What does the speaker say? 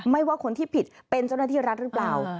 ว่าคนที่ผิดเป็นเจ้าหน้าที่รัฐหรือเปล่า